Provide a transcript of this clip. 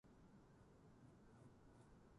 美味しいものはいつ食べても美味しい